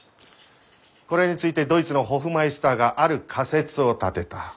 これについてドイツのホフマイスターがある仮説を立てた。